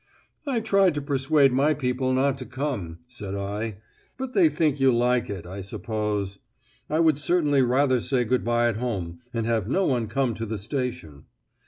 "I tried to persuade my people not to come," said I; "but they think you like it, I suppose. I would certainly rather say good bye at home, and have no one come to the station."